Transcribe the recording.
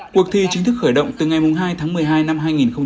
cuộc thi chính thức khởi động từ ngày hai tháng một mươi hai năm hai nghìn hai mươi